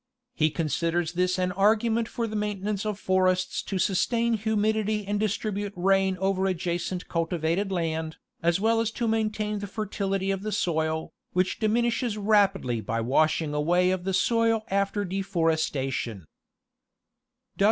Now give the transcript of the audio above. He considers this an argument for the maintenance of forests to sustain humidity and distribute rain over adjacent cultivated land, as well as to maintain the fer tility of the soil, which diminishes rapidly by washing away of the soil after deforestation.